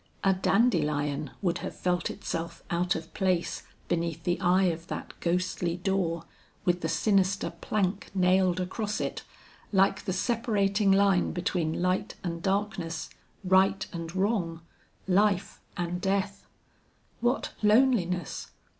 A dandelion would have felt itself out of place beneath the eye of that ghostly door, with the sinister plank nailed across it, like the separating line between light and darkness, right and wrong, life and death. What loneliness!